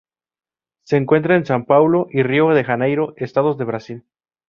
Se encuentra en Sao Paulo y Río de Janeiro estados de Brasil.